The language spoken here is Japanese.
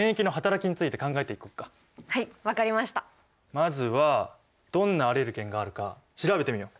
まずはどんなアレルゲンがあるか調べてみよう！